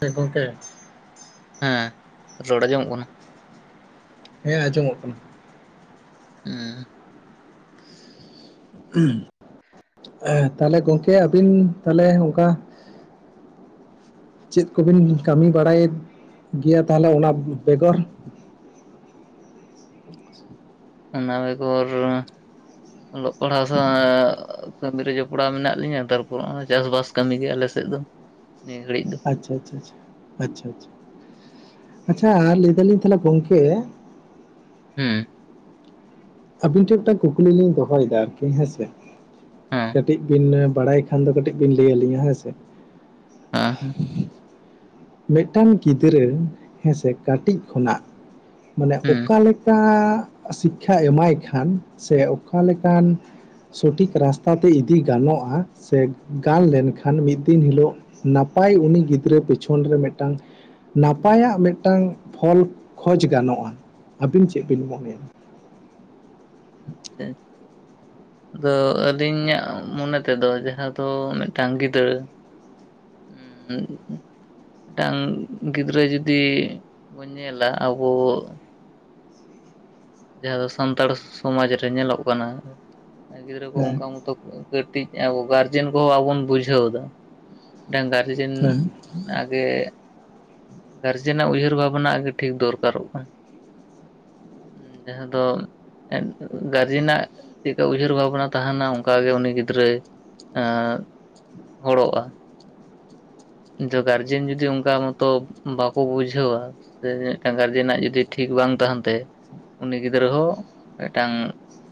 ᱪᱮᱫ ᱜᱚᱢᱠᱮ ᱦᱮᱸ ᱨᱚᱲ ᱟᱸᱡᱚᱢᱚᱜ ᱠᱟᱱᱟ ᱦᱮᱸ ᱟᱸᱡᱚᱢᱚᱜ ᱠᱟᱱᱟ ᱦᱩᱸ ᱮ ᱛᱟᱦᱞᱮ ᱜᱚᱝᱠᱮ ᱟᱹᱵᱤᱱ ᱛᱟᱦᱞᱮ ᱚᱱᱠᱟ ᱪᱮᱫ ᱠᱚᱵᱤᱱ ᱠᱟᱹᱢᱤ ᱵᱟᱲᱟᱭᱮᱫ ᱜᱮᱭᱟ ᱛᱟᱦᱚᱞᱮ ᱚᱱᱟ ᱵᱮᱜᱚᱨ ᱚᱱᱟ ᱵᱮᱜᱚᱨ ᱚᱞᱚᱜ ᱯᱟᱲᱦᱟᱣ ᱥᱟᱶ ᱠᱟᱹᱢᱤ ᱨᱮ ᱡᱚᱯᱲᱟᱣ ᱢᱮᱱᱟᱜ ᱞᱤᱧᱟᱹ ᱛᱟᱨᱯᱚᱨ ᱚᱱᱟ ᱪᱟᱥ ᱵᱟᱥ ᱠᱟᱹᱢᱤ ᱜᱮ ᱟᱞᱮ ᱥᱮᱫ ᱫᱚ ᱱᱤᱭᱟᱹ ᱜᱷᱟᱹᱲᱤᱡ ᱫᱚ ᱟᱪᱷᱟ ᱪᱟ ᱪᱟ ᱪᱟ ᱟᱪᱷᱟ ᱪᱟ ᱪᱟ ᱟᱪᱪᱷᱟ ᱞᱟᱹᱭ ᱫᱟᱞᱤᱧ ᱛᱟᱦᱞᱮ ᱜᱚᱝᱠᱮ ᱦᱩᱻ ᱟᱹᱵᱤᱱ ᱴᱷᱮᱱ ᱢᱤᱫᱴᱟᱝ ᱠᱩᱠᱞᱤ ᱞᱤᱧ ᱫᱚᱦᱚᱭ ᱮᱫᱟ ᱟᱨ ᱠᱤ ᱦᱮᱸᱥᱮ ᱦᱮᱸ ᱠᱟᱹᱴᱤᱡ ᱵᱤᱱ ᱵᱟᱲᱟᱭ ᱮᱱᱠᱷᱟᱱ ᱫᱚ ᱠᱟᱹᱴᱤᱡ ᱵᱤᱱ ᱞᱟᱹᱭ ᱟᱹᱞᱤᱧᱟ ᱦᱮᱸ ᱥᱮ ᱦ ᱦᱮᱸ [inaudible] ᱢᱤᱫᱴᱟᱝ ᱜᱤᱫᱽᱨᱟᱹ ᱦᱮᱸᱥᱮ ᱠᱟᱹᱴᱤᱡ ᱠᱷᱚᱱᱟᱜ ᱢᱟᱱᱮ ᱦᱩᱸ ᱚᱠᱟᱞᱮᱠᱟ ᱥᱤᱠᱠᱷᱟ ᱮᱢᱟᱭ ᱠᱷᱟᱱ ᱥᱮ ᱚᱠᱟ ᱞᱮᱠᱟᱱ ᱥᱚᱴᱷᱤᱠ ᱨᱟᱥᱛᱟ ᱛᱮ ᱤᱫᱤ ᱜᱟᱱᱚᱜ-ᱟ ᱥᱮ ᱜᱟᱱ ᱞᱮᱱᱠᱷᱟᱱ ᱢᱤᱫ ᱫᱤᱱ ᱦᱤᱞᱳᱜ ᱱᱟᱯᱟᱭ ᱩᱱᱤ ᱜᱤᱫᱽᱨᱟᱹ ᱯᱮᱪᱷᱚᱱ ᱨᱮ ᱢᱤᱫᱴᱟᱝ ᱱᱟᱯᱟᱭᱟᱜ ᱢᱤᱫᱴᱟᱝ ᱯᱷᱚᱞ ᱠᱷᱚᱡᱽ ᱜᱟᱱᱚᱜ-ᱟ ᱟᱹᱵᱤᱱ ᱪᱮᱫ ᱵᱤᱱ ᱢᱚᱱᱮᱭᱟ ᱟᱪᱪᱷᱟ ᱟᱪᱪᱷᱟ ᱟᱫᱚ ᱟᱹᱞᱤᱧᱟᱜ ᱢᱚᱱᱮ ᱛᱮ ᱫᱚ ᱡᱟᱦᱟᱸ ᱫᱚ ᱢᱤᱫᱴᱟᱝ ᱜᱤᱫᱽᱨᱟᱹ ᱦᱩᱸ ᱢᱤᱫᱴᱟᱝ ᱜᱤᱫᱽᱨᱟᱹ ᱡᱩᱫᱤ ᱵᱚᱱ ᱧᱮᱞᱟ ᱟᱵᱚ ᱡᱟᱦᱟᱸ ᱫᱚ ᱥᱟᱱᱛᱟᱲ ᱥᱚᱢᱟᱡᱽ ᱨᱮ ᱧᱮᱞᱚᱜ ᱠᱟᱱᱟ ᱜᱤᱫᱽᱨᱟᱹ ᱠᱚ ᱦᱮᱸ ᱚᱱᱠᱟ ᱢᱚᱛᱚ ᱠᱟᱹᱴᱤᱡ ᱟᱵᱚ ᱜᱟᱨᱡᱮᱱ ᱠᱚᱦᱚᱸ ᱵᱟᱵᱩᱱ ᱵᱩᱡᱷᱟᱹᱣ ᱮᱫᱟ ᱢᱤᱫᱟᱝ ᱜᱟᱨᱡᱮᱱ ᱦᱮᱸ ᱟᱜᱮ ᱜᱟᱨᱡᱮᱱ-ᱟᱜ ᱩᱭᱦᱟᱹᱨ ᱵᱷᱟᱵᱽᱱᱟ ᱜᱮ ᱴᱷᱤᱠ ᱫᱚᱨᱠᱟᱨ ᱚᱜ ᱠᱟᱱᱟ ᱡᱟᱦᱟᱸ ᱫᱚ ᱜᱟᱨᱡᱮᱱ-ᱟᱜ ᱪᱮᱫ ᱞᱮᱠᱟ ᱩᱭᱦᱟᱹᱨ ᱵᱷᱟᱵᱽᱱᱟ ᱛᱟᱦᱮᱱᱟ ᱚᱱᱠᱟᱜ ᱜᱮ ᱩᱱᱤ ᱜᱤᱫᱽᱨᱟᱹ ᱮ ᱦᱚᱨᱚᱜᱼᱟ ᱤᱱ ᱜᱟᱨᱡᱮᱱ ᱡᱚᱫᱤ ᱚᱱᱠᱟ ᱢᱚᱛᱚ ᱵᱟᱠᱚ ᱵᱩᱡᱷᱟᱹᱣᱟ ᱥᱮ ᱢᱤᱫᱴᱟᱝ ᱜᱟᱨᱡᱮᱱᱟᱜ ᱡᱩᱫᱤ ᱴᱷᱤᱠ ᱵᱟᱝ ᱛᱟᱦᱮᱱ ᱛᱟᱭᱟ ᱩᱱᱤ ᱜᱤᱫᱽᱨᱟᱹ ᱦᱚᱸ ᱢᱤᱫᱴᱟᱝ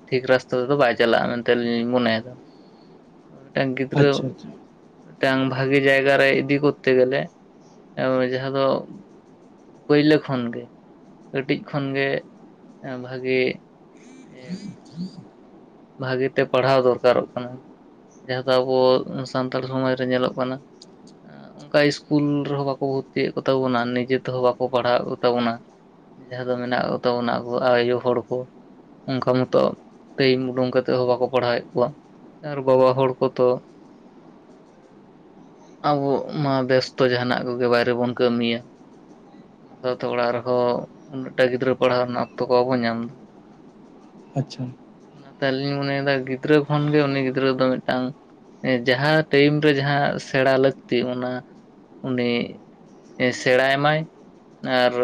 ᱴᱷᱤᱠ ᱨᱟᱥᱛᱟ ᱛᱮ ᱫᱚ ᱵᱟᱭ ᱪᱟᱞᱟᱜᱼᱟ ᱢᱮᱱᱛᱮ ᱟᱞᱤᱧ ᱞᱤᱧ ᱢᱚᱱᱮ ᱮᱫᱟ ᱢᱤᱫᱴᱟᱝ ᱜᱤᱫᱽᱨᱟᱹ ᱟᱪᱪᱷᱟ ᱢᱤᱫᱴᱟᱝ ᱵᱷᱟᱜᱤ ᱡᱟᱭᱜᱟ ᱨᱮ ᱤᱫᱤ ᱠᱚᱨᱛᱮ ᱜᱮᱞᱮ ᱮ ᱡᱟᱦᱟᱸ ᱫᱚ ᱯᱟᱹᱭᱞᱟᱹ ᱠᱷᱚᱱ ᱜᱮ ᱠᱟᱹᱴᱤᱡ ᱠᱷᱚᱱ ᱜᱮ ᱵᱷᱟᱜᱤ ᱵᱷᱟᱹᱜᱤ ᱛᱮ ᱯᱟᱲᱦᱟᱣ ᱫᱚᱨᱠᱟᱨᱚᱜ ᱠᱟᱱᱟ ᱡᱟᱦᱟᱸ ᱫᱚ ᱟᱵᱚ ᱥᱟᱱᱛᱟᱲ ᱥᱚᱢᱟᱡᱽ ᱨᱮ ᱧᱮᱞᱚᱜ ᱠᱟᱱᱟ ᱟ... ᱚᱱᱠᱟ ᱤᱥᱠᱩᱞ ᱨᱮ ᱦᱚᱸ ᱵᱟᱠᱩ ᱵᱷᱩᱨᱛᱤ ᱭᱮᱫ ᱠᱚ ᱛᱟᱵᱚᱱᱟ ᱱᱤᱡᱮ ᱛᱮ ᱦᱚᱸ ᱵᱟᱠᱚ ᱯᱟᱲᱦᱟᱣᱮᱫ ᱠᱚ ᱛᱟᱵᱚᱱᱟ ᱡᱟᱦᱟᱸ ᱫᱚ ᱢᱮᱱᱟᱜ ᱠᱚ ᱛᱟᱵᱚᱱᱟ ᱟᱵᱚ ᱟᱭᱳ ᱦᱚᱲ ᱠᱚ ᱚᱱᱠᱟ ᱢᱚᱛᱚ ᱴᱟᱹᱭᱤᱢ ᱩᱰᱩᱝ ᱠᱟᱛᱮᱫ ᱦᱚᱸ ᱵᱟᱠᱚ ᱯᱟᱲᱦᱟᱣᱮᱫ ᱠᱚᱣᱟ ᱟᱨ ᱵᱟᱵᱟ ᱦᱚᱲ ᱠᱚ ᱛᱚ ᱟᱵᱚ ᱢᱟ ᱵᱮᱥᱛᱚ ᱡᱟᱦᱟᱱᱟᱜ ᱠᱚ ᱜᱮ ᱵᱟᱭᱨᱮ ᱵᱚᱱ ᱠᱟᱹᱢᱤᱭᱟ ᱱᱚᱝᱠᱟ ᱛᱚ ᱚᱲᱟᱜ ᱨᱮ ᱦᱚᱸ ᱩᱱᱟᱹᱜᱴᱟ ᱜᱤᱫᱽᱨᱟᱹ ᱯᱟᱲᱦᱟᱣ ᱨᱮᱱᱟᱜ ᱚᱠᱛᱚ ᱠᱚ ᱵᱟᱵᱚᱱ ᱧᱟᱢ ᱮᱫᱟ ᱟᱪᱪᱷᱟ ᱚᱱᱟᱛᱮ ᱟᱹᱞᱤᱧ ᱢᱚᱱᱮᱭ ᱮᱫᱟ ᱜᱤᱫᱽᱨᱟᱹ ᱠᱷᱚᱱ ᱜᱮ ᱩᱱᱤ ᱜᱤᱫᱽᱨᱟᱹ ᱫᱚ ᱢᱤᱫᱴᱟᱝ ᱡᱟᱦᱟᱸ ᱴᱟ‌ᱭᱤᱢ ᱨᱮ ᱡᱟᱦᱟᱸ ᱥᱮᱬᱟ ᱞᱟᱹᱠᱛᱤ ᱚᱱᱟ ᱩᱱᱤ ᱮ... ᱥᱮᱬᱟᱭ ᱢᱟᱭ ᱟᱨ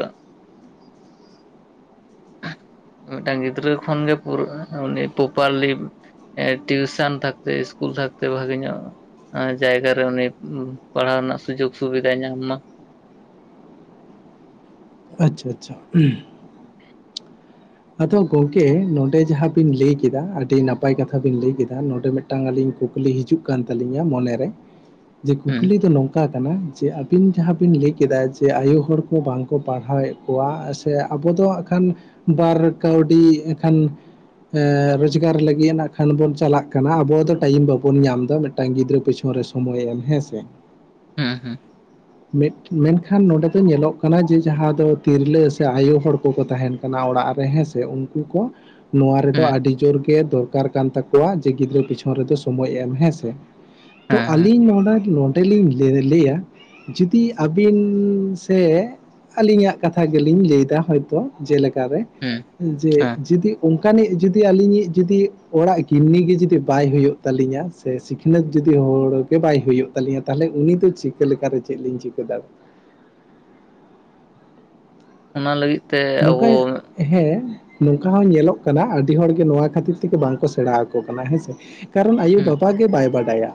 ᱢᱤᱫᱴᱟᱝ ᱜᱤᱫᱽᱨᱟᱹ ᱠᱷᱚᱱᱜᱮ ᱯᱩᱨᱟᱜᱼᱟ ᱩᱱᱤ ᱯᱚᱯᱟᱨᱞᱤ ᱴᱤᱭᱩᱥᱟ. ᱱ ᱛᱟᱠᱛᱮ ᱤᱥᱠᱩᱞ ᱛᱟᱠᱛᱮ ᱵᱷᱟ. ᱜᱤ ᱧᱚᱜ᱾ ᱡᱟᱭᱜᱟᱨᱮ ᱩᱱᱤ ᱯᱟᱲᱦᱟᱣ ᱨᱮᱱᱟᱜ ᱥᱩᱡᱳᱜ ᱥᱩᱵᱤᱫᱷᱟᱭ ᱧᱟᱢ ᱢᱟ ᱟᱪᱷᱟ ᱟᱪᱷᱟ ᱟᱫᱚ ᱜᱚᱝᱠᱮ ᱱᱚᱸᱰᱮ ᱡᱟᱦᱟᱸ ᱵᱤᱱ ᱞᱟᱹᱭ ᱠᱮᱫᱟ ᱟᱹᱰᱤ ᱱᱟᱯᱟᱭ ᱠᱟᱛᱷᱟ ᱵᱤᱱ ᱞᱟᱹᱭ ᱠᱮᱫᱟ ᱱᱚᱰᱮ ᱢᱤᱫ ᱴᱟᱝ ᱟᱹᱞᱤᱧ ᱠᱩᱠᱞᱤ ᱦᱤᱡᱩᱜ ᱠᱟᱱ ᱛᱟᱹᱞᱤᱧᱟ ᱢᱚᱱᱮᱨᱮ ᱡᱮ ᱦᱩᱸ ᱠᱩᱠᱞᱤ ᱫᱚ ᱱᱚᱝᱠᱟ ᱠᱟᱱᱟ ᱡᱮ ᱟᱹᱵᱤᱱ᱾ ᱡᱟᱦᱟᱸ ᱵᱤᱱ ᱞᱟᱹᱭ ᱠᱮᱫᱟ ᱡᱮ ᱟᱭᱳ ᱦᱚᱲ ᱠᱚ ᱵᱟᱝᱠᱚ ᱯᱟᱲᱦᱟᱣᱮᱫ ᱠᱚᱣᱟ ᱥᱮ ᱟᱵᱚ ᱫᱚ ᱦᱟᱸᱜ ᱠᱷᱟᱱ ᱵᱟᱨ ᱠᱟᱹᱣᱰᱤ ᱮᱱᱠᱷᱟᱱ ᱨᱳᱡᱽᱜᱟᱨ ᱞᱟᱹᱜᱤᱫ ᱮᱱᱟᱜ ᱠᱷᱟᱱ ᱵᱚᱱ ᱪᱟᱞᱟᱜ ᱠᱟᱱᱟ ᱟᱵᱚ ᱫᱚ ᱴᱟᱭᱤᱢ ᱵᱟᱵᱚᱱ ᱧᱟᱢ ᱮᱫᱟ ᱢᱤᱫᱴᱟᱝ ᱜᱤᱫᱽᱨᱟᱹ ᱯᱤᱪᱷᱚᱱ ᱨᱮ ᱥᱚᱢᱚᱭ ᱮᱢ ᱦᱮᱸ ᱥᱮ᱾ ᱦᱮᱸ ᱦᱮᱸ ᱢᱮᱛ ᱢᱮᱱᱠᱷᱟᱱ ᱱᱚᱰᱮ ᱫᱚ ᱧᱮᱞᱚᱜ ᱠᱟᱱᱟ ᱡᱮ ᱡᱟᱦᱟᱸ ᱫᱚ ᱛᱤᱨᱞᱟᱹ ᱥᱮ ᱟᱭᱚ ᱦᱚᱲ ᱠᱚᱠᱚ ᱛᱟᱦᱮᱱ ᱠᱟᱱᱟ ᱚᱲᱟᱜ ᱨᱮ ᱦᱮᱸ ᱥᱮ᱾ ᱛᱮ ᱩᱱᱠᱩ ᱠᱚ ᱱᱚᱣᱟ ᱨᱮᱫᱚ ᱦᱩᱸ ᱟᱹᱰᱤ ᱡᱳᱨ ᱜᱮ ᱫᱚᱨᱠᱟᱨ ᱠᱟᱱ ᱛᱟᱠᱚᱣᱟ ᱡᱮ ᱜᱤᱫᱽᱨᱟᱹ ᱯᱤᱪᱷᱚᱱ ᱨᱮᱫᱚ ᱥᱚᱢᱚᱭ ᱮᱢ ᱦᱮᱸ ᱥᱮ᱾ ᱛᱚ ᱦᱮᱸ ᱦᱮᱸ ᱟᱹᱞᱤᱧ ᱱᱚᱸᱰᱮ ᱱᱚᱸᱰᱮ ᱞᱤᱧ ᱞᱟᱹ ᱞᱟ. ᱭᱟ᱾ ᱡᱩᱫᱤ ᱟᱹᱵᱤᱱ ᱥᱮ ᱟᱹᱞᱤᱧᱟᱜ ᱠᱟᱛᱷᱟ ᱜᱮᱞᱤᱧ ᱞᱟᱹᱭᱫᱟ ᱦᱚᱭᱛᱳ ᱡᱮᱞᱮᱠᱟᱨᱮ ᱦᱩᱸ ᱡᱮ ᱦᱮᱸ ᱡᱩᱫᱤ ᱚᱱᱠᱟᱱᱤᱡ ᱡᱩᱫᱤ ᱟᱹᱞᱤᱧᱤᱡ ᱡᱩᱫᱤ ᱚᱲᱟᱜ ᱜᱤᱱᱱᱤᱜᱮ ᱡᱩᱫᱤ ᱵᱟᱭ ᱦᱩᱭᱩᱜ ᱛᱟᱹᱞᱤᱧᱟ ᱥᱮ ᱥᱤᱠᱷᱱᱟᱹᱛ ᱡᱩᱫᱤ ᱦᱚᱲ ᱜᱮ ᱵᱟᱭ ᱦᱩᱭᱩᱜ ᱛᱟᱹᱞᱤᱧᱟ᱾ ᱛᱟᱦᱞᱮ ᱩᱱᱤ ᱫᱚ ᱪᱤᱠᱟᱹ ᱞᱮᱠᱟᱨᱮ ᱪᱮᱫ ᱞᱤᱧ ᱪᱤᱠᱟᱹ ᱫᱟᱲᱮ ᱚᱱᱟ ᱞᱟᱹᱜᱤᱫ ᱛᱮ ᱱᱚᱝᱠᱟ ᱟᱵᱚ ᱦᱮᱸ ᱱᱚᱝᱠᱟ ᱦᱚᱸ ᱧᱮᱞᱚᱜ ᱠᱟᱱᱟ ᱟᱹᱰᱤ ᱦᱚᱲᱜᱮ ᱱᱚᱣᱟ ᱠᱷᱟᱹᱛᱤᱨ ᱛᱮᱜᱮ ᱵᱟᱝ ᱠᱚ ᱥᱮᱬᱟ ᱟᱠᱚ ᱠᱟᱱᱟ ᱦᱮᱸ ᱥᱮ ᱱᱮᱛᱟᱨ ᱨᱮᱱ ᱦᱩᱸ ᱟᱭᱩᱼᱵᱟᱵᱟ ᱜᱮ ᱵᱟᱭ ᱵᱟᱰᱟᱭᱟ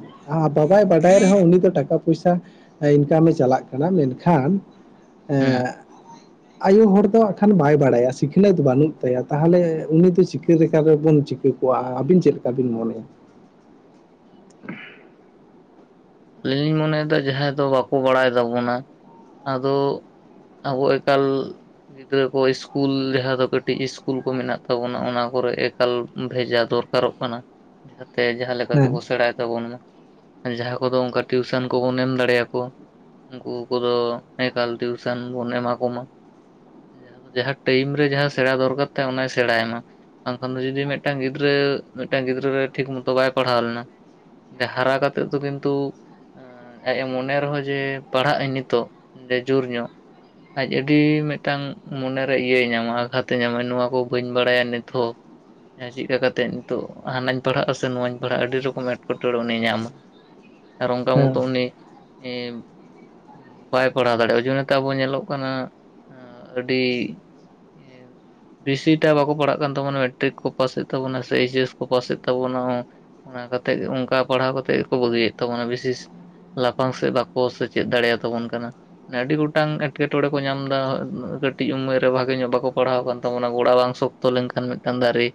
ᱵᱟᱵᱟᱭ ᱵᱟᱰᱟᱭ ᱨᱮᱦᱚᱸ ᱩᱱᱤ ᱫᱚ ᱴᱟᱠᱟ ᱯᱚᱭᱥᱟ ᱤᱱᱠᱟᱢᱮ ᱪᱟᱞᱟᱜ ᱠᱟᱱᱟ ᱢᱮᱱᱠᱷᱟᱱ ᱦᱩᱸ ᱮᱸᱜ ᱟᱭᱳ ᱦᱚᱲ ᱫᱚ ᱦᱟᱸᱜ ᱠᱷᱟᱱ ᱵᱟᱭ ᱵᱟᱲᱟᱭᱟ ᱥᱤᱠᱷᱱᱟᱹᱛ ᱵᱟᱹᱱᱩᱜ ᱛᱟᱭᱟ ᱛᱟᱦᱞᱮ ᱩᱱᱤ ᱫᱚ ᱪᱤᱠᱟᱹ ᱞᱮᱠᱟ ᱛᱮᱵᱚᱱ ᱪᱤᱠᱟᱹ ᱣᱟ ᱟᱹᱵᱤᱱ ᱪᱮᱫ ᱞᱮᱠᱟ ᱵᱤᱱ ᱢᱚᱱᱮᱭᱟ? ᱟ. ᱞᱤᱧ ᱞᱤᱧ ᱢᱚᱱᱮᱭᱮᱫᱟ ᱡᱟᱦᱟᱸᱭ ᱫᱚ ᱵᱟᱠᱚ ᱵᱟᱲᱟᱭ ᱛᱟᱵᱚᱱᱟ ᱟᱫᱚ ᱟᱵᱚ ᱮᱠᱟᱞ ᱜᱤᱫᱟᱹᱨ ᱠᱚ ᱤᱥᱠᱩᱞ ᱡᱟᱦᱟᱸ ᱫᱚ ᱠᱟᱹᱴᱤᱡ ᱤᱥᱠᱩᱞ ᱠᱚ ᱢᱮᱱᱟᱜ ᱛᱟᱵᱚᱱᱟ ᱚᱱᱟ ᱠᱚᱨᱮ ᱮᱠᱟᱞ ᱵᱷᱮᱡᱟ ᱫᱚᱨᱠᱟᱨᱚᱜ ᱠᱟᱱᱟ, ᱡᱟᱦᱟᱸ ᱛᱮ ᱡᱟᱦᱟᱸᱞᱮᱠᱟ ᱦᱮᱸ ᱜᱮᱵᱚ ᱥᱮᱲᱟ ᱠᱮᱵᱚᱱ ᱢᱟ ᱟᱨ ᱡᱟᱦᱟᱸ ᱠᱚᱫᱚ ᱚᱱᱠᱟ ᱴᱤᱭᱩᱥᱟᱱ ᱠᱚᱵᱚᱱ ᱮᱢ ᱫᱟᱲᱮᱭᱟᱠᱚᱣᱟ᱾ ᱩᱱᱠᱩ ᱠᱚᱫᱚ ᱮᱠᱟᱞ ᱴᱤᱭᱩᱥᱟ. ᱱ ᱵᱚᱱ ᱮᱢᱟ ᱠᱚᱢᱟ ᱡᱟᱦᱟᱸ ᱫᱚ ᱡᱟᱦᱟᱸ ᱴᱟᱭᱤᱢ ᱨᱮ ᱡᱟᱦᱟᱸ ᱥᱮᱬᱟ ᱫᱚᱨᱠᱟᱨ ᱛᱟᱭ ᱚᱱᱟᱭ ᱥᱮᱬᱟᱭ ᱢᱟ᱾ ᱵᱟᱝᱠᱷᱟᱱ ᱫᱚ ᱡᱩᱫᱤ ᱢᱤᱫᱴᱟᱝ ᱜᱤᱫᱽᱨᱟᱹ ᱢᱤᱫᱴᱟᱝ ᱜᱤᱫᱽᱨᱟᱹ ᱨᱮ ᱴᱷᱤᱠ ᱢᱚᱛᱚ ᱵᱟᱭ ᱯᱟᱲᱦᱟᱣ ᱞᱮᱱᱟ ᱦᱟᱨᱟ ᱠᱟᱛᱮᱫ ᱫᱚ ᱠᱤᱱᱛᱩ ᱟᱡ ᱮ ᱢᱚᱱᱮ ᱨᱮᱦᱚᱸ ᱡᱮ ᱯᱟᱲᱦᱟᱜ ᱟᱹᱧ ᱱᱤᱛᱚᱜ ᱡᱮ ᱡᱚᱨ ᱧᱚᱜ᱾ ᱟᱡ ᱟᱹᱰᱤ ᱢᱤᱫᱴᱟᱝ ᱢᱚᱱᱮᱨᱮ ᱤᱭᱟᱹᱭ ᱧᱟᱢᱟ ᱟᱜᱷᱟᱛᱮ ᱧᱟᱢᱟ ᱱᱚᱣᱟ ᱠᱚ ᱵᱟᱹᱧ ᱵᱟᱲᱟᱭᱟ ᱱᱤᱛᱦᱚᱸ ᱪᱮᱫᱠᱟ ᱠᱟᱛᱮᱜ ᱱᱤᱛᱚᱜ ᱦᱟᱱᱟᱧ ᱯᱟᱲᱦᱟᱜᱼᱟ ᱟᱥᱮ ᱱᱚᱶᱟᱧ ᱯᱟᱲᱦᱟᱜᱼᱟ ᱟᱹᱰᱤ ᱨᱚᱠᱚᱢ ᱮᱴᱠᱮᱴᱚᱬᱮ ᱩᱱᱤᱭ ᱧᱟᱢᱟ᱾ ᱟᱨ ᱚᱱᱠᱟ ᱦᱮᱸ ᱢᱚᱛᱚ ᱩᱱᱤ [unintelligible] ᱵᱟᱭ ᱯᱟᱲᱦᱟᱣ ᱫᱟᱲᱮᱣᱟᱜᱼᱟ ᱡᱚᱱᱚᱛᱮ ᱟᱵᱚ ᱧᱮᱞᱚᱜ ᱠᱟᱱᱟ ᱟᱹᱰᱤ [inaudible] ᱵᱮᱥᱤ‌ ᱴᱟᱜ ᱵᱟᱠᱚ ᱯᱟᱲᱦᱟᱜ ᱠᱟᱱ ᱛᱟᱵᱚᱱᱟ ᱢᱮᱴᱨᱤᱠ ᱠᱚ ᱯᱟᱥᱮᱫ ᱛᱟᱵᱚᱱᱟ ᱥᱮ ᱮᱭᱡᱮ ᱮᱥ ᱠᱚ ᱯᱟᱥᱮᱫ ᱛᱟᱵᱚᱱᱟ ᱚᱱᱟ ᱠᱟᱛᱮᱜ ᱚᱝᱠᱟ ᱯᱟᱲᱦᱟᱣ ᱠᱟᱛᱮᱫ ᱜᱮᱠᱚ ᱵᱟᱹᱜᱤᱭᱮᱫ ᱛᱟᱵᱚᱱᱟ ᱵᱤᱥᱮᱥ ᱞᱟᱯᱷᱟᱝ ᱥᱮᱫ ᱵᱟᱠᱚ ᱥᱮᱪᱮᱫ ᱫᱟᱲᱮᱭᱟᱛᱟᱵᱚᱱ ᱠᱟᱱᱟ ᱟᱹᱰᱤ ᱜᱚᱴᱟᱝ ᱮᱸᱴᱠᱮᱴᱚᱬᱮ ᱠᱚ ᱧᱟᱢ ᱮᱫᱟ ᱠᱟᱹᱴᱤᱡ ᱩᱢᱮᱨ ᱨᱮ ᱵᱷᱟᱜᱮ ᱧᱚᱜ ᱵᱟᱠᱚ ᱯᱟᱲᱦᱟᱣ ᱟᱠᱟᱱ ᱛᱟᱵᱚᱱᱟ ᱜᱚᱲᱟ ᱵᱟᱝ ᱥᱚᱠ ᱛᱚ ᱞᱮᱱᱠᱷᱟᱱ ᱢᱤᱫᱴᱟᱝ ᱫᱟᱨᱮ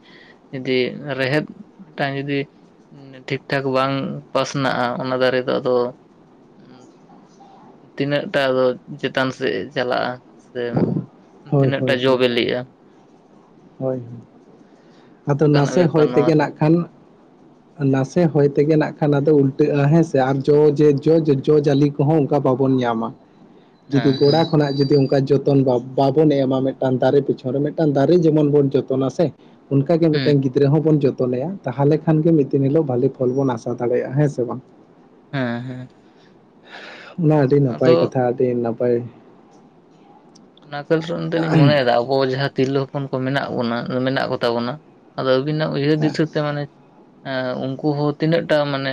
ᱡᱩᱫᱤ ᱨᱮᱦᱮᱫ ᱢᱤᱫᱴᱟᱝ ᱡᱩᱫᱤ ᱴᱷᱤᱠ ᱴᱷᱟᱠ ᱵᱟᱝ ᱯᱟᱥᱱᱟᱜᱼᱟ ᱚᱱᱟ ᱫᱟᱨᱮ ᱫᱚ ᱟᱫᱚ ᱛᱤᱱᱟᱹᱜ ᱴᱟ ᱫᱚ ᱪᱮᱛᱟᱱ ᱥᱮᱫ ᱪᱟᱞᱟᱜᱼᱟ ᱥᱮ ᱦᱳᱭ ᱛᱤᱱᱟᱹᱜ ᱦᱳᱭ ᱴᱟᱜ ᱦᱳᱭ ᱡᱚᱼᱵᱮᱞᱮᱜᱼᱟ ᱦᱳᱭ ᱟᱫᱚ ᱚᱱᱠᱟᱱᱟᱜ ᱱᱟᱥᱮ ᱦᱚᱭ ᱵᱮᱯᱟᱨ ᱱᱚᱣᱟ ᱛᱮᱜᱮ ᱨᱮᱦᱚᱸ ᱱᱟᱦᱟᱜ ᱠᱷᱟᱱ ᱱᱟᱥᱮ ᱦᱚᱭ ᱛᱮᱜᱮ ᱱᱟᱦᱟᱜ ᱠᱷᱟᱱ ᱟᱫᱚ ᱩᱞᱴᱟᱹᱜᱼᱟ ᱦᱮᱸᱥᱮ ᱟᱨ ᱡᱚ ᱡᱟᱹᱛ ᱦᱩᱸ, ᱡᱚᱼ ᱡᱟᱹᱞᱤ ᱠᱚ ᱦᱚᱸ ᱚᱱᱠᱟ ᱵᱟᱵᱚᱱ ᱧᱟᱢᱟ ᱡᱩᱫᱤ ᱦᱮᱸ ᱜᱚᱲᱟ ᱦᱮᱸ ᱠᱷᱚᱱᱟᱜ ᱡᱩᱫᱤ ᱚᱱᱠᱟ ᱡᱚᱛᱚ ᱡᱚᱛᱚᱱ ᱵᱟ... ᱵᱟᱵᱚᱱ ᱮᱢᱟ ᱢᱤᱫᱴᱟᱝ ᱫᱟᱨᱮ ᱯᱤᱪᱷᱚᱱ ᱨᱮ ᱢᱤᱫᱴᱟᱝ ᱫᱟᱨᱮ ᱡᱮᱢᱚᱱ ᱵᱚᱱ ᱡᱚᱛᱚᱱᱼᱟ ᱥᱮ ᱛᱚ.... ᱚᱱᱠᱟ ᱜᱮ ᱢᱤᱫᱴᱮᱝ ᱦᱩᱸ ᱜᱤᱫᱽᱨᱟᱹ ᱦᱚᱸᱵᱚᱱ ᱡᱚᱛᱚᱱᱮᱭᱟ ᱛᱟᱦᱚᱞᱮ ᱠᱷᱟᱱ ᱜᱮ ᱢᱤᱫ ᱫᱤᱱ ᱦᱤᱞᱚᱜ ᱵᱷᱟᱜᱮ ᱯᱷᱚᱞ ᱵᱚᱱ ᱟᱥᱟ ᱫᱟᱲᱮᱭᱟᱜᱼᱟ ᱦᱮᱸ ᱥᱮ ᱵᱟᱝ ᱦᱮᱸ ᱦᱮᱸ ᱚᱱᱟ ᱟᱹᱰᱤ ᱱᱟᱯᱟᱭ ᱟᱫᱚ ᱠᱟᱛᱷᱟ ᱟᱹᱰᱤ ᱱᱟᱯᱟᱭ ᱚᱱᱟ ᱠᱷᱚᱞ [unintelligible] ᱫᱚᱞᱤᱝ ᱢᱚᱱᱮᱭᱮᱫᱟ ᱟᱵᱚ ᱡᱟᱦᱟᱸ ᱛᱤᱨᱞᱟᱹ ᱦᱚᱯᱚᱱ ᱠᱚ ᱢᱮᱱᱟᱜ ᱵᱚᱱᱟ ᱢᱮᱱᱟᱜ ᱠᱚ ᱛᱟᱵᱚᱱᱟ ᱟᱫᱚ ᱟᱵᱤᱱᱟᱜ ᱩᱭᱦᱟᱹᱨ ᱦᱮᱸ ᱫᱤᱥᱟᱹ ᱛᱮ ᱢᱟᱱᱮ ᱮᱸ ᱩᱱᱠᱩ ᱦᱚᱸ ᱛᱤᱱᱟᱹᱜᱴᱟᱜ ᱢᱟᱱᱮ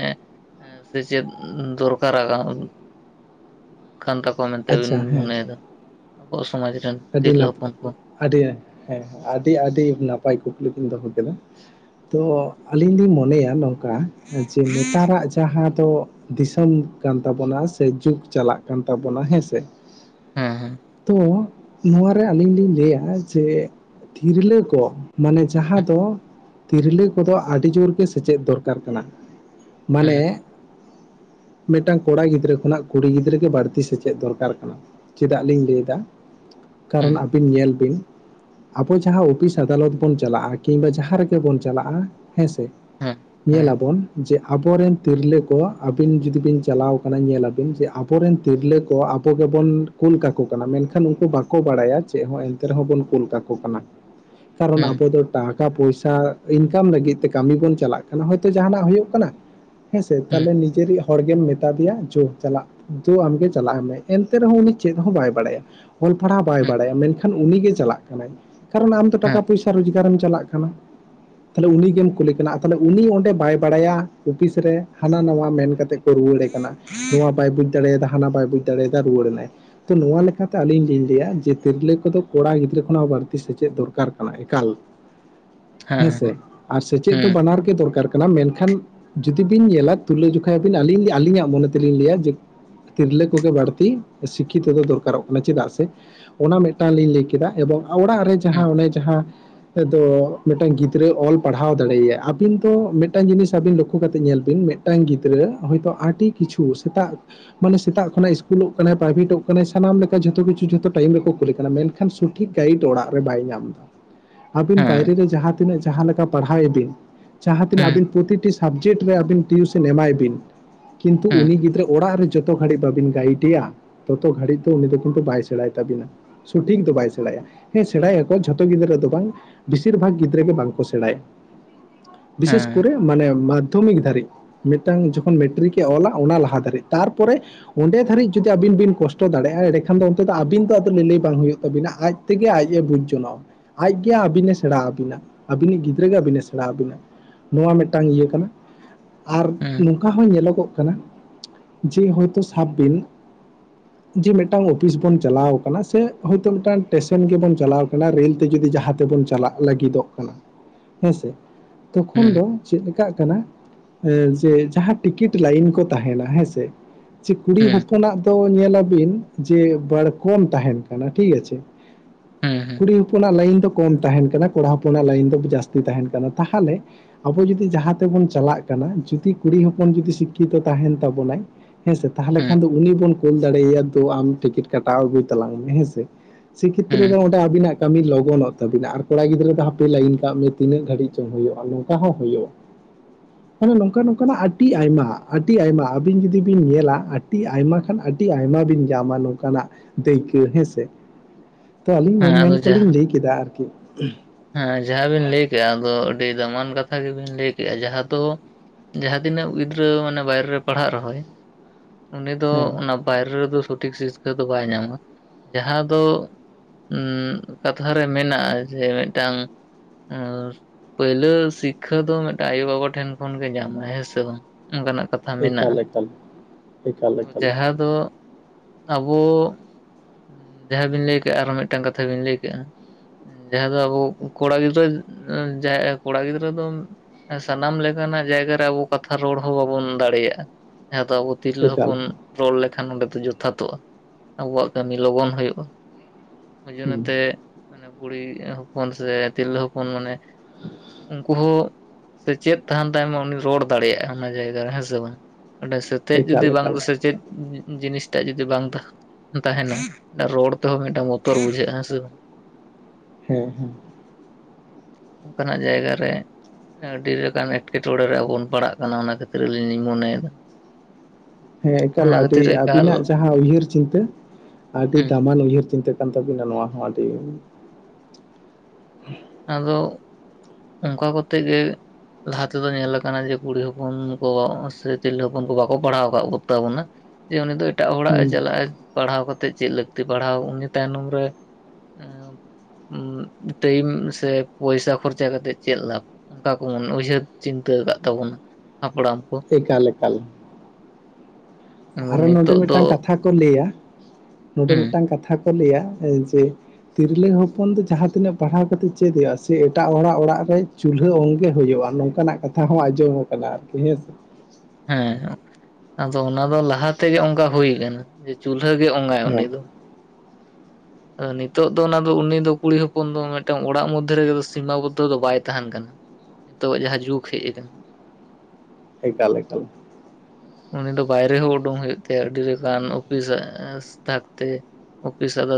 ᱥᱮᱪᱮᱫ ᱫᱚᱨᱠᱟᱨᱟ ᱟᱠᱟᱱᱟ᱾ [inaudible] ᱠᱟᱱ ᱛᱟᱠᱚᱣᱟ ᱢᱮᱱᱛᱮ ᱵᱤᱱ ᱟᱪᱪᱷᱟ ᱦᱮᱸ ᱢᱚᱱᱮᱭᱮᱫᱟ ᱟᱵᱚᱣᱟᱜ ᱥᱚᱢᱟᱡᱽ ᱨᱮᱱ ᱟᱹᱰᱤ ᱛᱤᱨᱞᱟᱹ ᱱᱟᱯ ᱦᱚᱯᱚᱱ ᱠᱚ᱾ ᱟᱹᱰᱤ ᱦᱮᱸᱸ ᱟᱹᱰᱤ ᱟᱹᱰᱤ ᱱᱟᱯᱟᱭ ᱠᱩᱠᱞᱤ ᱵᱤᱱ ᱫᱚᱦᱚ ᱠᱮᱫᱟ ᱛᱚ ᱟᱹᱞᱤᱧ ᱞᱤᱧ ᱢᱚᱱᱮᱭᱟ ᱱᱚᱝᱠᱟ ᱡᱮ ᱱᱮᱛᱟᱨᱟᱜ ᱡᱟᱦᱟᱸ ᱫᱚ ᱫᱤᱥᱚᱢ ᱠᱟᱱ ᱛᱟᱵᱚᱱᱟ ᱥᱮ ᱡᱩᱜᱽ ᱪᱟᱞᱟᱜ ᱠᱟᱱ ᱛᱟᱵᱚᱱᱟ ᱦᱮᱸᱥᱮ ᱦᱮᱸ ᱦᱮᱸ ᱛᱚ ᱱᱚᱣᱟᱨᱮ ᱟᱹᱞᱤᱧ ᱞᱤᱧ ᱞᱟᱹᱭᱟ ᱡᱮ ᱛᱤᱨᱞᱟᱹ ᱠᱚ ᱢᱟᱱᱮ ᱡᱟᱦᱟᱸ ᱫᱚ ᱛᱤᱨᱞᱟᱹ ᱠᱚᱫᱚ ᱟᱹᱰᱤ ᱡᱳᱨ ᱜᱮ ᱥᱮᱪᱮᱫ ᱫᱚᱨᱠᱟᱨ ᱠᱟᱱᱟ ᱢᱟᱱᱮ ᱦᱮᱸ ᱢᱤᱫᱴᱟᱝ ᱠᱚᱲᱟ ᱜᱤᱫᱽᱨᱟᱹ ᱠᱷᱚᱱᱟᱜ ᱠᱩᱲᱤ ᱜᱤᱫᱽᱨᱟᱹ ᱜᱮ ᱵᱟᱹᱲᱛᱤ ᱥᱮᱪᱮᱫ ᱫᱚᱨᱠᱟᱨ ᱠᱟᱱᱟ ᱪᱮᱫᱟᱜ ᱞᱤᱝ ᱞᱟᱹᱭ ᱮᱫᱟ ᱦᱮᱸ ᱠᱟᱨᱚᱱ ᱟᱹᱵᱤᱱ ᱧᱮᱞ ᱵᱤᱱ ᱟᱵᱚ ᱡᱟᱦᱟᱸ ᱚᱯᱷᱤᱥ ᱟᱫᱟᱞᱚᱛ ᱵᱚᱱ ᱪᱟᱞᱟᱜᱼᱟ ᱠᱤ ᱵᱟᱸ ᱡᱟᱦᱟᱸ ᱨᱮᱜᱮ ᱵᱚᱱ ᱪᱟᱞᱟᱜᱼᱟ ᱦᱮᱸᱥᱮ ᱦᱮᱸ ᱧᱮᱞ ᱦᱮᱸ ᱟᱵᱚᱱ ᱡᱮ ᱟᱵᱚ ᱟᱵᱚᱨᱮᱱ ᱛᱤᱨᱞᱟᱹ ᱠᱚ ᱟᱹᱵᱤᱱ ᱡᱩᱫᱤ ᱵᱤᱱ ᱪᱟᱞᱟᱣ ᱠᱟᱱᱟ ᱧᱮᱞᱟ ᱵᱤᱱ ᱡᱮ ᱟᱵᱚᱨᱮᱱ ᱛᱤᱨᱞᱟᱹ ᱠᱚ ᱟᱵᱚ ᱜᱮᱵᱚᱱ ᱠᱩᱞ ᱠᱟᱠᱚ ᱠᱟᱱᱟ ᱢᱮᱱᱠᱷᱟᱱ ᱠᱷᱟᱱ ᱩᱱᱠᱩ ᱵᱟᱠᱚ ᱵᱟᱲᱟᱭᱟ ᱪᱮᱫ ᱦᱚᱸ ᱮᱱᱛᱮ ᱨᱮᱦᱚᱸ ᱵᱚᱱ ᱠᱩᱞ ᱠᱟᱠᱚ ᱠᱟᱱᱟ ᱠᱟᱨᱚᱱ ᱦᱮᱸ ᱟᱵᱚ ᱫᱚ ᱴᱟᱠᱟ ᱯᱚᱭᱥᱟ ᱤᱱᱠᱟᱢ ᱞᱟᱹᱜᱤᱫ ᱛᱮ ᱠᱟᱹᱢᱤ ᱵᱚᱱ ᱪᱟᱞᱟᱜ ᱠᱟᱱᱟ ᱦᱳᱭ ᱛᱚ ᱡᱟᱦᱟᱱᱟᱜ ᱦᱩᱭᱩᱜ ᱠᱟᱱᱟ ᱦᱮᱸᱥᱮ ᱦᱮᱸ ᱛᱟᱦᱚᱞᱮ ᱱᱤᱡᱮᱨᱤᱡ ᱦᱚᱲ ᱜᱮᱢ ᱢᱮᱛᱟ ᱫᱮᱭᱟ ᱫᱳ ᱪᱟᱞᱟᱜ ᱫᱳ ᱟᱢᱜᱮ ᱪᱟᱞᱟᱜ ᱢᱮ ᱮᱱᱛᱮ ᱨᱮᱦᱚᱸ ᱩᱱᱤ ᱪᱮᱫ ᱦᱚᱸ ᱵᱟᱭ ᱵᱟᱲᱟᱭᱟ ᱚᱞ ᱯᱟᱲᱦᱟᱣ ᱵᱟᱭ ᱦᱮᱸ ᱵᱟᱲᱟᱭᱟ ᱢᱮᱱᱠᱷᱟᱱ ᱩᱱᱤᱜᱮ ᱪᱟᱞᱟᱜ ᱠᱟᱱᱟᱭ ᱠᱟᱨᱚᱱ ᱟᱢ ᱛᱚ ᱴᱟᱠᱟ ᱦᱮᱸ ᱯᱚᱭᱥᱟ ᱨᱳᱡᱽᱠᱟᱨ ᱮᱢ ᱪᱟᱞᱟᱜ ᱠᱟᱱᱟ ᱛᱟᱦᱚᱞᱮ ᱩᱱᱤ ᱜᱮᱢ ᱠᱩᱞᱮ ᱠᱟᱱᱟ ᱛᱟᱦᱚᱞᱮ ᱩᱱᱤ ᱚᱸᱰᱮ ᱵᱟᱭ ᱵᱟᱲᱟᱭᱟ ᱚᱯᱷᱤᱥ ᱨᱮ ᱦᱟᱱᱟ ᱱᱟᱣᱟ ᱢᱮᱱ ᱠᱟᱛᱮᱫ ᱨᱩᱣᱟᱹᱲᱮ ᱠᱟᱱᱟ ᱱᱚᱣᱟ ᱵᱟᱭ ᱵᱩᱡᱽ ᱫᱟᱲᱮᱭᱟᱫᱟ ᱦᱟᱱᱟ ᱵᱟᱭ ᱵᱩᱡᱽ ᱫᱟᱲᱮᱭᱟᱫᱟ ᱨᱩᱣᱟᱹᱲ ᱮᱱᱟᱭ ᱛᱚ ᱱᱚᱣᱟ ᱞᱮᱠᱟ ᱛᱚ ᱟᱹᱞᱤᱧ ᱞᱤᱧ ᱞᱟᱹᱭᱟ ᱡᱮ ᱛᱤᱨᱞᱟᱹ ᱠᱚᱫᱚ ᱠᱚᱲᱟ ᱜᱤᱫᱽᱨᱟᱹ ᱠᱷᱚᱱᱟᱜ ᱦᱚᱸ ᱵᱟᱹᱲᱛᱤ ᱥᱮᱪᱮᱫ ᱫᱚᱨᱠᱟᱨ ᱠᱟᱱᱟ ᱮᱠᱟᱞ ᱦᱮᱸ ᱦᱮᱸ ᱦᱮᱸᱥᱮ ᱦᱮᱸ ᱟᱨ ᱥᱮᱪᱮᱫ ᱫᱚ ᱦᱮᱸ ᱵᱟᱱᱟᱨ ᱜᱮ ᱫᱚᱨᱠᱟᱨ ᱠᱟᱱᱟ ᱢᱮᱱᱠᱷᱟᱱ ᱡᱩᱫᱤ ᱵᱤᱱ ᱧᱮᱞᱟ ᱛᱩᱞᱟᱹ ᱡᱚᱠᱷᱟ ᱟᱹᱵᱤᱱ ᱟᱹᱞᱤᱧᱟᱜ ᱢᱚᱱᱮ ᱛᱮᱞᱤᱧ ᱞᱟᱹᱭᱟ ᱡᱮ ᱛᱤᱨᱞᱟᱹ ᱠᱚᱜᱮ ᱵᱟᱹᱲᱛᱤ ᱥᱤᱠᱠᱷᱤᱛᱚ ᱫᱚ ᱫᱚᱨᱠᱟᱨᱚᱜ ᱠᱟᱱᱟ ᱪᱮᱫᱟᱜ ᱥᱮ ᱚᱱᱟ ᱢᱤᱫᱴᱟᱝ ᱞᱤᱧ ᱞᱟᱹᱭ ᱠᱮᱫᱟ ᱮᱵᱚᱝ ᱚᱲᱟᱜ ᱨᱮ ᱡᱟᱦᱟᱸ ᱚᱱᱮ ᱡᱟᱦᱟᱸ ᱫᱚ ᱢᱤᱫᱴᱟᱝ ᱜᱤᱫᱽᱨᱟᱹ ᱚᱞ ᱯᱟᱲᱦᱟᱣ ᱫᱟᱲᱮᱭᱟ ᱟᱵᱤᱱ ᱫᱚ ᱢᱤᱫᱴᱟᱝ ᱡᱤᱱᱤᱥ ᱟᱹᱵᱤᱱ ᱞᱚᱠᱠᱷᱚ ᱠᱟᱛᱮᱜ ᱧᱮᱞ ᱵᱤᱱ ᱢᱤᱫᱴᱟᱝ ᱜᱤᱫᱽᱨᱟᱹ ᱦᱳᱭᱛᱚ ᱟᱹᱰᱤ ᱠᱤᱪᱷᱩ ᱥᱮᱛᱟᱜ ᱢᱟᱱᱮ ᱥᱮᱛᱟᱜ ᱠᱷᱚᱱᱟᱜ ᱤᱥᱠᱩᱞᱚᱜ ᱠᱟᱱᱟᱭ ᱯᱨᱟᱭᱵᱷᱮᱴᱚᱜ ᱠᱟᱱᱟᱭ ᱥᱟᱱᱟᱢ ᱞᱮᱠᱟ ᱡᱷᱚᱛᱚ ᱠᱤᱪᱷᱩ ᱡᱚᱛᱚ ᱴᱟᱭᱤᱢ ᱨᱮᱠᱚ ᱠᱩᱞᱮ ᱠᱟᱱᱟ ᱢᱮᱱᱠᱷᱟᱱ ᱥᱚᱴᱷᱤᱠ ᱜᱟᱭᱤᱰ ᱚᱲᱟᱜ ᱨᱮ ᱵᱟᱭ ᱧᱟᱢᱼᱟ ᱟᱵᱤᱱ ᱦᱮᱸ ᱵᱟᱭᱨᱮ ᱨᱮ ᱡᱟᱦᱟᱸ ᱛᱤᱱᱟᱹᱜ ᱡᱟᱦᱟᱸ ᱞᱮᱠᱟ ᱯᱟᱲᱦᱟᱣ ᱮᱵᱤᱱ ᱡᱟᱦᱟᱸ ᱦᱮᱸ ᱛᱤᱱᱟᱹᱜ ᱦᱮᱸ ᱦᱮᱸ ᱦᱮᱸ ᱟᱵᱤᱱ ᱯᱨᱚᱛᱤᱴᱤ ᱥᱟᱵᱡᱮᱠᱴ ᱨᱮ ᱟᱹᱵᱤᱱ ᱴᱤᱭᱩᱥᱚᱱ ᱮᱢᱟᱭ ᱵᱤᱱ ᱠᱤᱱᱛᱩ ᱩᱱᱤ ᱜᱤᱫᱽᱨᱟᱹ ᱚᱲᱟᱜ ᱨᱮ ᱡᱚᱛᱚ ᱜᱷᱟᱹᱲᱤᱡ ᱵᱟᱵᱤᱱ ᱜᱟᱭᱤᱰ ᱮᱭᱟ ᱛᱚᱛᱚ ᱜᱷᱟᱹᱲᱤᱡ ᱫᱚ ᱩᱱᱤ ᱫᱚ ᱠᱤᱱᱛᱩ ᱵᱟᱭ ᱥᱮᱬᱟᱭ ᱛᱟᱵᱤᱱᱟ ᱥᱚᱴᱷᱤᱠ ᱫᱚ ᱵᱟᱭ ᱥᱮᱬᱟᱭᱟ ᱦᱮᱸ ᱥᱮᱬᱟᱭᱟ ᱡᱷᱚᱛᱚ ᱜᱤᱫᱽᱨᱟᱹ ᱫᱚ ᱵᱟᱝ ᱵᱮᱥᱤᱨ ᱵᱷᱟᱜᱽ ᱜᱤᱫᱽᱨᱟᱹ ᱜᱮ ᱵᱟᱝᱠᱚ ᱥᱮᱬᱟᱭᱟ ᱵᱤᱥᱮᱥ ᱠᱚᱨᱮ ᱢᱟᱱᱮ ᱢᱟᱫᱽᱫᱷᱚᱢᱤᱠ ᱫᱷᱟᱹᱨᱤᱡ ᱢᱤᱫᱴᱟᱝ ᱡᱚᱠᱷᱚᱱ ᱢᱮᱴᱨᱤᱠ ᱮ ᱚᱞᱟ ᱚᱱᱟ ᱞᱟᱦᱟ ᱫᱷᱟᱹᱨᱤᱡ ᱛᱟᱨᱯᱚᱨᱮ ᱚᱸᱰᱮ ᱫᱷᱟᱹᱨᱤᱡ ᱡᱩᱫᱤ ᱟᱹᱵᱤᱱ ᱵᱤᱱ ᱠᱥᱴᱚ ᱫᱟᱲᱮᱭᱟᱜᱼᱟ ᱮᱰᱮ ᱟᱱ ᱫᱚ ᱚᱱ ᱫᱚ ᱟᱹᱵᱤᱱ ᱫᱚ ᱟ ᱞᱟᱹᱤᱞᱟᱹᱭ ᱵᱟᱝ ᱦᱩᱭᱩᱜ ᱛᱟᱵᱤᱱᱟ ᱟᱡ ᱛᱮᱜᱮ ᱟᱡ ᱮ ᱵᱩᱡᱽ ᱡᱚᱼᱟ᱾ ᱟᱡᱜᱮ ᱟᱹᱵᱤᱱᱮ ᱥᱮᱬᱟ ᱟᱹᱵᱤᱱᱟ, ᱟᱹᱵᱤᱱᱤᱡ ᱜᱤᱫᱽᱨᱟᱹ ᱜᱮ ᱟᱹᱵᱤᱱᱮ ᱥᱮᱬᱟ ᱟᱵᱤᱱᱟᱱ᱾ ᱱᱚᱣᱟ ᱢᱤᱫᱴᱟᱝ ᱤᱭᱟᱹ ᱠᱟᱱᱟ ᱟᱨ ᱱᱚᱝᱠᱟ ᱦᱚᱸ ᱧᱮᱞᱚᱜᱚᱜ ᱠᱟᱱᱟ, ᱡᱮ ᱦᱳᱭᱛᱳ ᱥᱟᱵᱽ ᱵᱤᱱ ᱡᱮ ᱢᱤᱫᱴᱼ ᱢᱤᱫᱴᱟᱝ ᱚᱯᱷᱤᱥ ᱵᱚᱱ ᱪᱟᱞᱟᱣ ᱟᱠᱟᱱᱟ ᱥᱮ ᱦᱳᱭᱛᱳ ᱢᱤᱫᱴᱟᱝ ᱴᱮᱥᱚᱱ ᱜᱮᱵᱚᱱ ᱪᱟᱞᱟᱣ ᱟᱠᱟᱱᱟ ᱨᱮᱹᱞ ᱛᱮ, ᱡᱩᱫᱤ ᱡᱟᱦᱟᱸ ᱛᱮᱵᱚᱱ ᱪᱟᱞᱟᱜ ᱾ ᱞᱟᱹᱜᱤᱫᱚᱜ ᱠᱟᱱᱟ ᱦᱮᱸᱥᱮ ᱛᱚᱠᱷᱚᱱ ᱦᱮᱸ ᱫᱚ ᱪᱮᱫᱠᱟᱜ ᱠᱟᱱᱟ! ᱡᱮ ᱡᱟᱦᱟᱸ ᱴᱤᱠᱤᱴ ᱞᱟᱭᱤᱱ ᱠᱚ ᱛᱟᱦᱮᱱᱟ ᱦᱮᱸᱥᱮ, ᱪᱮ ᱠᱩᱲᱤ ᱦᱮᱸ ᱦᱚᱯᱚᱱᱟᱜ ᱫᱚ ᱧᱮᱞᱟᱵᱤᱱ, ᱡᱮ ᱵᱲᱠᱚᱱ ᱛᱟᱦᱮᱱ ᱠᱟᱱᱟ ᱴᱷᱤᱠ ᱟᱪᱷᱮ᱾ ᱦᱮᱸ ᱦᱮᱸ ᱠᱩᱲᱤ ᱦᱚᱯᱚᱱᱟᱜ ᱞᱟᱭᱤᱱ ᱫᱚ ᱠᱚᱢ ᱛᱟᱦᱮᱱ ᱠᱟᱱᱟ ᱠᱚᱲᱟ ᱦᱚᱯᱚᱱᱟᱜ ᱞᱟᱭᱤᱱ ᱫᱚ ᱡᱟᱹᱥᱛᱤ ᱛᱟᱦᱮᱱ ᱠᱟᱱᱟ ᱛᱟᱦᱚᱞᱮ ᱟᱵᱚ ᱡᱩᱫᱤ ᱡᱟᱦᱟᱸ ᱛᱮᱵᱚᱱ ᱪᱟᱞᱟᱜ ᱠᱟᱱᱟ ᱡᱩᱫᱤ ᱠᱩᱲᱤ ᱦᱚᱯᱚᱱ ᱡᱩᱫᱤ ᱥᱤᱠᱠᱷᱤᱛᱚ ᱛᱟᱦᱮᱱ ᱛᱟᱵᱚᱱᱟᱭ ᱦᱮᱸ ᱥᱮ ᱛᱟᱦᱚᱞᱮ ᱦᱮᱸ ᱠᱷᱟᱱ ᱫᱚ ᱩᱱᱤ ᱵᱚᱱ ᱠᱳᱞ ᱫᱟᱲᱮᱭᱟᱭᱟ᱾ ᱛᱩ ᱟᱢ ᱴᱤᱠᱤᱴ ᱠᱟᱴᱟᱣ ᱟᱹᱜᱩᱭ ᱛᱟᱞᱟᱝ ᱢᱮ ᱦᱮᱸᱥᱮ ᱥᱮ ᱠᱷᱮᱛᱨᱮ ᱦᱩᱸ ᱨᱮ ᱚᱸᱰᱮ ᱟᱵᱤᱱᱟᱜ ᱠᱟᱹᱢᱤ ᱞᱚᱜᱚᱱᱚᱜ ᱟᱹᱵᱤᱱᱟ ᱟᱨ ᱠᱚᱲᱟ ᱜᱤᱫᱽᱨᱟᱹ ᱫᱚ ᱦᱟᱯᱮ ᱞᱟᱭᱤᱱ ᱠᱟᱜ ᱢᱮᱭᱟ ᱛᱤᱱᱟᱹᱜ ᱜᱷᱟᱹᱲᱤᱡ ᱪᱚᱝ ᱦᱩᱭᱩᱜᱼᱟ ᱱᱚᱝᱠᱟ ᱦᱚᱸ ᱦᱩᱭᱩᱜᱼᱟ ᱾ ᱢᱟᱱᱮ ᱱᱚᱝᱠᱟ ᱱᱚᱝᱠᱟᱱᱟᱜ ᱟᱹᱰᱤ ᱟᱭᱢᱟ ᱟᱹᱰᱤ ᱟᱭᱢᱟ ᱟᱹᱵᱤᱱ ᱡᱩᱫᱤ ᱵᱤᱱ ᱧᱮᱞᱟ, ᱟᱹᱰᱤ ᱟᱭᱢᱟ ᱠᱷᱟᱱ ᱟᱹᱰᱤ ᱟᱭᱢᱟ ᱵᱤᱱ, ᱡᱟ ᱱᱚᱝᱠᱟᱱᱟᱜ ᱫᱟᱹᱭᱠᱟᱹ ᱦᱮᱸᱥᱮ ᱛᱚ ᱟᱹᱞᱤᱧ ᱦᱮᱸ ᱢᱮᱱᱼᱢᱮᱱ ᱟᱫᱚ ᱠᱚᱞᱤᱧ ᱡᱟᱦᱟᱸ ᱞᱟᱹᱭ ᱠᱮᱫᱟ ᱟᱨᱠᱤ ᱾ ᱦᱮᱸ ᱡᱟᱦᱟᱸᱵᱤᱱ ᱞᱟᱹᱭ ᱠᱮᱫᱼᱟ ᱟᱫᱚ ᱟᱹᱰᱤ ᱫᱟᱢᱟᱱ ᱠᱟᱛᱷᱟ ᱜᱮᱵᱤᱱ ᱞᱟᱹᱭ ᱠᱮᱜᱼᱟ ᱾ᱡᱟᱦᱟᱸ ᱫᱚ! ᱡᱟᱦᱟᱸ ᱛᱤᱱᱟᱹᱜ ᱜᱤᱫᱽᱨᱟᱹ ᱢᱟᱱᱮ ᱵᱟᱭᱨᱮ ᱨᱮ ᱯᱟᱲᱦᱟᱜ ᱨᱮᱦᱚᱭ ᱩᱱᱤ ᱫᱚ ᱦᱮᱸ ᱚᱱᱟ ᱵᱟᱭᱨᱮ ᱨᱮᱫᱚ ᱥᱚᱴᱷᱤᱠ ᱥᱤᱥᱠᱟᱹ ᱫᱚ ᱵᱟᱭ ᱧᱟᱢᱟ, ᱡᱟᱦᱟᱸ ᱫᱚ, ᱩᱸ ᱠᱟᱛᱷᱟ ᱨᱮ ᱢᱮᱱᱟᱜᱼᱟ ᱡᱮ ᱢᱤᱫᱴᱟᱝ ᱯᱳᱭᱞᱳ ᱥᱤᱠᱠᱷᱟ ᱫᱚ ᱢᱤᱫᱴᱟᱝ ᱟᱭᱳᱼ ᱵᱟᱵᱟ ᱴᱷᱮᱱ ᱠᱷᱚᱱ ᱜᱮ ᱧᱟᱢᱟᱭ ᱦᱮᱸ ᱥᱮ ᱵᱟᱝ? ᱚᱱᱠᱟᱱᱟᱜ ᱠᱟᱛᱷᱟ ᱮᱠᱟᱞ ᱢᱮᱱᱟᱜᱼᱟ, ᱮᱠᱟᱞ ᱮᱠᱟᱞ ᱮᱠᱟᱞ ᱡᱟᱦᱟᱸ ᱫᱚ ᱟᱵᱚ ᱡᱟᱦᱟᱸ ᱵᱤᱱ ᱞᱟᱹᱭ ᱠᱮᱜᱼᱟ ᱟᱨᱚ ᱢᱤᱫᱴᱟᱝ ᱠᱟᱛᱷᱟ ᱵᱤᱱ ᱞᱟᱹᱭ ᱠᱮᱜᱼᱟ, ᱡᱟᱦᱟᱸ ᱫᱚ ᱟᱵᱚ ᱠᱚᱲᱟ ᱜᱤᱫᱽᱨᱟᱹ ᱡᱟᱦᱟᱸ ᱠᱚᱲᱟ ᱜᱤᱫᱽᱨᱟᱹ ᱫᱚ, ᱥᱟᱱᱟᱢ ᱞᱮᱠᱟᱱᱟᱜ ᱡᱟᱭᱜᱟ ᱨᱮ ᱟᱵᱚ ᱠᱟᱛᱷᱟ ᱨᱚᱲ ᱦᱚᱸ ᱵᱟᱵᱚᱱ ᱫᱟᱲᱮᱭᱟᱜᱼᱟ, ᱡᱟᱦᱟᱸ ᱫᱚ ᱟᱵᱚ ᱛᱤᱨᱞᱟᱹ ᱮᱠᱟᱞ ᱦᱚᱯᱚᱱ ᱨᱚᱲ ᱞᱮᱠᱷᱟᱱ ᱚᱸᱰᱮ ᱫᱚ ᱡᱚᱛᱷᱟᱛᱚᱜᱼᱟ ᱾ ᱟᱵᱚᱣᱟᱜ ᱠᱟᱹᱢᱤ ᱞᱚᱜᱚᱱ ᱦᱩᱭᱩᱜᱼᱟ ᱾ ᱛᱟᱨ ᱦᱩᱸ ᱡᱚᱱᱛᱮ ᱠᱩᱲᱤ ᱦᱚᱯᱚᱱ ᱥᱮ ᱛᱤᱨᱞᱟᱹ ᱦᱚᱯᱚᱱ ᱢᱟᱱᱮ ᱩᱱᱠᱩ ᱦᱚᱸ ᱥᱮᱪᱮᱫ ᱛᱟᱦᱮᱱ ᱛᱟᱭᱢᱟ ᱩᱱᱤ ᱨᱚᱲ ᱫᱟᱲᱮᱭᱟᱜᱼᱟ ᱾ ᱚᱱᱟ ᱡᱟᱭᱜᱟ ᱨᱮ ᱦᱮᱸ ᱥᱮ ᱵᱟᱝ? ᱚᱸᱰᱮ ᱪᱮᱫ ᱮᱠᱟᱞ ᱡᱩᱫᱤ ᱵᱟᱝ ᱮᱠᱟᱞ ᱠᱚ ᱥᱮ ᱪᱮᱫ ᱡᱤᱱᱤᱥᱴᱟᱜ ᱡᱩᱫᱤ ᱵᱟᱝ ᱛᱟᱦᱮᱱᱟ ᱨᱚᱲ ᱛᱮᱦᱚᱸ ᱢᱤᱫᱴᱟᱝ ᱵᱚᱛᱚᱨ ᱵᱩᱡᱷᱟᱹᱜᱼᱟ ᱦᱮᱸ ᱥᱮ ᱵᱟᱝ? ᱦᱮᱸ ᱦᱮᱸ ᱚᱱᱠᱟᱱᱟᱜ ᱡᱟᱭᱜᱟ ᱨᱮ, ᱟᱹᱰᱤ ᱞᱮᱠᱟᱱ ᱮᱸᱴᱠᱮᱴᱚᱚᱲᱮ ᱨᱮ ᱟᱵ ᱵᱚᱱ ᱯᱟᱲᱟᱜ ᱠᱟᱱᱟ ᱾ ᱚᱱᱟ ᱠᱷᱟᱹᱛᱤᱨ ᱟᱞᱤᱧ ᱞᱤᱧ ᱢᱚᱱᱮᱭᱮᱫᱟ ᱾ [inaudible] ᱦᱮᱸ ᱮᱠᱟᱞ ᱟᱹᱰᱤ ᱮᱠᱟᱞ ᱟᱹᱵᱤᱱᱟᱜ ᱡᱟᱦᱟᱸ ᱩᱭᱦᱟᱹᱨ ᱪᱤᱱᱛᱟᱹ, ᱟᱹᱰᱤ ᱦᱩᱸ ᱫᱟᱢᱟᱱ ᱩᱭᱦᱟᱹᱨ ᱪᱤᱱᱛᱟᱹ ᱾ ᱠᱟᱱ ᱛᱟᱵᱤᱱᱟ ᱱᱚᱣᱟ ᱦᱚᱸ ᱟᱹᱰᱤ ᱟᱫᱚ ᱚᱱᱠᱟ ᱠᱚᱛᱮᱜᱮ ᱞᱟᱦᱟ ᱛᱮᱫᱚ ᱧᱮᱞ ᱟᱠᱟᱱᱟ ᱡᱮ ᱠᱩᱲᱤ ᱦᱚᱯᱚᱱ ᱠᱚ ᱥᱮ ᱛᱤᱨᱞᱟᱹ ᱦᱚᱯᱚᱱ ᱠᱚ ᱵᱟᱠᱚ ᱯᱟᱲᱦᱟᱣ ᱟᱠᱟᱫ ᱛᱟᱵᱚᱱᱟ ᱾ ᱡᱮ ᱩᱱᱤ ᱫᱚ ᱮᱴᱟᱜ ᱦᱚᱲᱟᱜ ᱮ ᱦᱩᱸ ᱪᱟᱞᱟᱜᱼᱟ ᱯᱟᱲᱦᱟᱣ ᱠᱟᱛᱮᱜ ᱪᱮᱫ ᱞᱟᱹᱠᱛᱤ ᱯᱟᱲᱦᱟᱣ ᱩᱱᱤ ᱛᱟᱭᱱᱚᱢ ᱨᱮ ᱴᱟᱭᱤᱢ ᱥᱮ ᱯᱚᱭᱥᱟ ᱠᱷᱚᱨᱪᱟ ᱠᱟᱛᱮ ᱪᱮᱫ ᱞᱟᱵᱷ ᱚᱱᱠᱟ ᱠᱚᱱ ᱩᱭᱦᱟᱹᱨ ᱪᱤᱱᱛᱟᱹ ᱟᱠᱟᱫ ᱛᱟᱵᱚᱱᱟ ᱦᱟᱯᱲᱟᱢᱠᱚ ᱾ ᱮᱠᱟᱞ, ᱮᱠᱟᱞ ᱟᱫᱚ ᱟᱨᱚ ᱱᱚᱰᱮ ᱱᱤᱛᱚᱜ ᱫᱚ ᱢᱤᱫᱴᱟᱝ ᱠᱟᱛᱷᱟ ᱠᱚ ᱞᱟᱹᱭᱟ ᱱᱚᱰᱮ ᱦᱩᱸ ᱢᱤᱫᱴᱟᱝ ᱠᱟᱛᱷᱟ ᱠᱚ ᱞᱟᱹᱭᱟ ᱡᱮ, ᱛᱤᱨᱞᱟᱹ ᱦᱚᱯᱚᱱ ᱫᱚ ᱡᱟᱦᱟᱸ ᱛᱤᱱᱟᱹᱜ ᱯᱟᱲᱦᱟᱣ ᱠᱟᱛᱮ ᱪᱮᱫ ᱦᱩᱭᱩᱜᱼᱟ ᱥᱮ ᱮᱴᱟᱜ ᱦᱚᱲᱟᱜ ᱚᱲᱟᱜ ᱨᱮ ᱪᱩᱞᱦᱟᱹ ᱚᱝᱜᱮ ᱦᱩᱭᱩᱜ-ᱟ ᱱᱚᱝᱠᱟᱱᱟᱜ ᱠᱟᱛᱷᱟ ᱦᱚᱸ ᱟᱸᱡᱚᱢ ᱟᱠᱟᱱᱟ ᱟᱨᱠᱤ ᱦᱮᱸ ᱥᱮ ᱦᱮᱸ ᱟᱫᱚ ᱚᱱᱟ ᱫᱚ ᱞᱟᱦᱟ ᱛᱮᱜᱮ ᱚᱱᱠᱟ ᱦᱩᱭᱞᱮᱱ ᱡᱮ ᱪᱩᱞᱦᱟᱹ ᱜᱮ ᱝᱜᱟᱭ ᱦᱮᱸ ᱩᱱᱤ ᱫᱚ ᱟᱫᱚ ᱱᱤᱛᱚᱜ ᱫᱚ ᱚᱱᱟ ᱫᱚ ᱩᱱᱤ ᱫᱚ ᱠᱩᱲᱤ ᱦᱚᱯᱚᱱ ᱫᱚ ᱢᱤᱫᱴᱟᱝ ᱚᱲᱟᱜ ᱢᱚᱫᱽᱫᱷᱮ ᱨᱮ ᱥᱤᱢᱟ ᱵᱚᱫᱽᱫᱷᱚ ᱫᱚ ᱵᱟᱭ ᱛᱟᱦᱮᱱ ᱠᱟᱱᱟ ᱱᱤᱛᱚᱜ ᱡᱟᱦᱟᱸ ᱡᱩᱜᱽ ᱦᱮᱡ ᱟᱠᱟᱱᱟ ᱮᱠᱟᱞ ᱮᱠᱟᱞ ᱩᱱᱤ ᱫᱚ ᱵᱟᱭᱨᱮ ᱦᱚᱸ ᱩᱰᱩᱠ ᱦᱩᱭᱩᱜ ᱛᱟᱭᱟ ᱟᱹᱰᱤ ᱞᱮᱠᱟᱱ ᱚᱯᱷᱤᱥ ᱫᱷᱟᱠ ᱛᱮ ᱚᱯᱷᱤᱥ ᱟᱫᱟᱞ